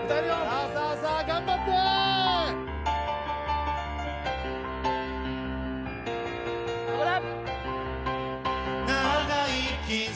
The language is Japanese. さあさあさあ頑張って頑張れ！